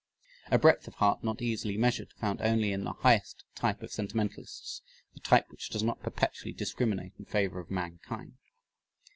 A breadth of heart not easily measured, found only in the highest type of sentimentalists, the type which does not perpetually discriminate in favor of mankind.